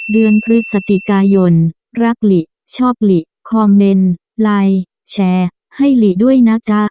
เดือนพฤศจิกายนรักหลิชอบหลีคอมเมนต์ไลน์แชร์ให้หลีด้วยนะจ๊ะ